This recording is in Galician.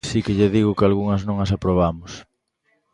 Si que lle digo que algunhas non as aprobamos.